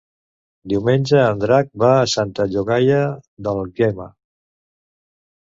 Diumenge en Drac va a Santa Llogaia d'Àlguema.